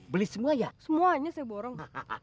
beli semua ya semuanya seborong